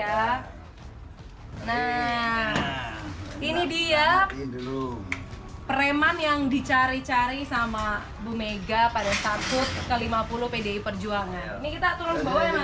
wali kota solo ini juga bisa nambah air ini dia ini dia pereman yang dicari cari sama bumega pada start out ke lima puluh pdi perjuangan ini kita turun bawah ya mas